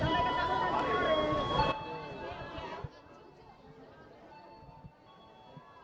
masalah mau biji juga pak